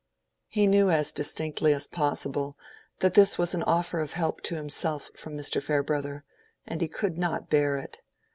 He knew as distinctly as possible that this was an offer of help to himself from Mr. Farebrother, and he could not bear it.